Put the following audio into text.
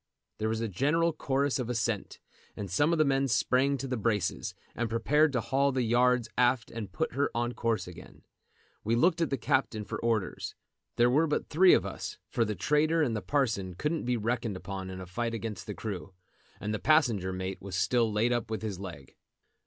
There was a general chorus of assent, and some of the men sprang to the braces, and prepared to haul the yards aft and put her on her course again. We looked at the captain for orders. There were but three of us, for the trader and the parson couldn't be reckoned upon in a fight against the crew, and the passenger mate was still laid up with his leg.